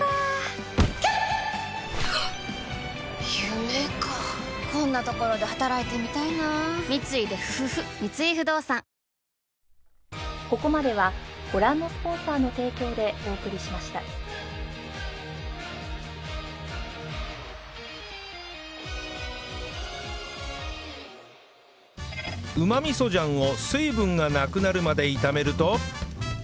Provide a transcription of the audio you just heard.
夢かこんなところで働いてみたいな三井不動産うま味噌醤を水分がなくなるまで炒めると